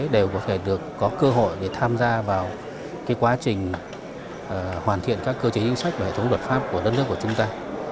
đều có thể được có cơ hội để tham gia vào quá trình hoàn thiện các cơ chế chính sách và hệ thống luật pháp của đất nước của chúng ta